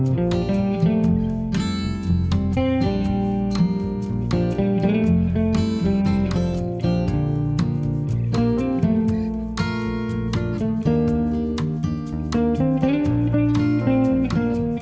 seru nih nasinya nih nasi berebes